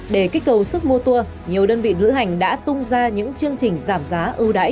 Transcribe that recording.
để kích cầu sức mua tour nhiều đơn vị lữ hành đã tung ra những chương trình giảm giá ưu đãi